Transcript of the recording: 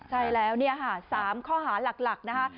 ใช่แล้วนี่ฮะสามข้อหารหลักนะฮะ